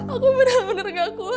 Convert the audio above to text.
aku bener bener gak kuat